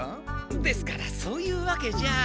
ですからそういうわけじゃ。